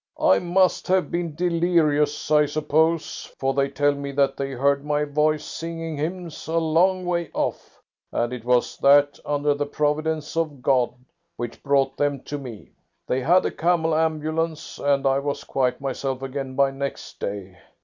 I must have been delirious, I suppose, for they tell me that they heard my voice, singing hymns, a long way off, and it was that, under the providence of God, which brought them to me. They had a camel ambulance, and I was quite myself again by next day.